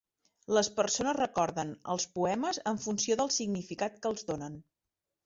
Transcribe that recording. Les persones recorden els poemes en funció del significat que els donen.